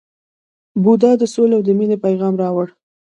بودا د سولې او مینې پیغام راوړ.